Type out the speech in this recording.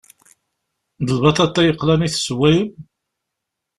D lbaṭaṭa yeqlan i tessewwayem?